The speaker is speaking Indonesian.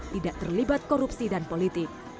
tidak terlibat korupsi dan politik